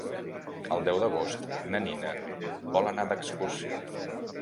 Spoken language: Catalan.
El deu d'agost na Nina vol anar d'excursió.